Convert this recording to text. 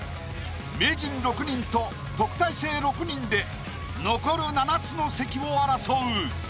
名人６人と特待生６人で残る７つの席を争う。